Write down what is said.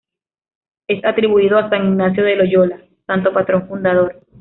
Es atribuido a San Ignacio de Loyola, santo patrón fundador.